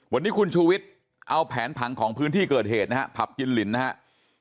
วันนี้คุณชูวิทย์เอาแผนผังของพื้นที่เกิดเหตุนะฮะผับกินลินนะครับ